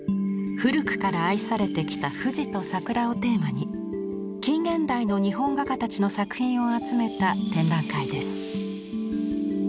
古くから愛されてきた富士と桜をテーマに近現代の日本画家たちの作品を集めた展覧会です。